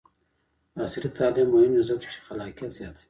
عصري تعلیم مهم دی ځکه چې خلاقیت زیاتوي.